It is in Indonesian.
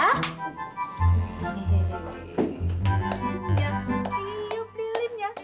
tiup lilinnya sekarang juga